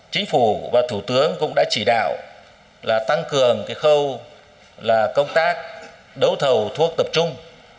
chính phủ và thủ tướng cũng đã chỉ đạo là tăng cường khâu là công tác đấu thầu thuốc tập trung